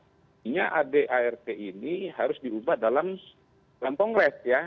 artinya adart ini harus diubah dalam kongres ya